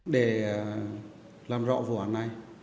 để làm rõ vụ hẳn này